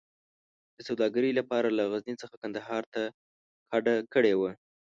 د سوداګرۍ لپاره له غزني څخه کندهار ته کډه کړې وه.